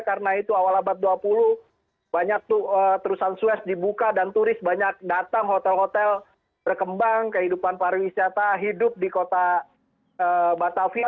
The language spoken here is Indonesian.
karena itu awal abad dua puluh banyak tuh terusan sues dibuka dan turis banyak datang hotel hotel berkembang kehidupan pariwisata hidup di kota batavia